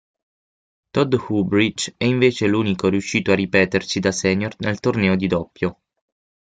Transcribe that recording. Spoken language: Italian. Todd Woodbridge è invece l'unico riuscito a ripetersi da senior nel torneo di doppio.